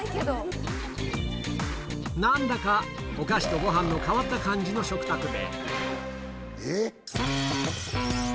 なんだかお菓子とごはんの変わった感じの食卓で。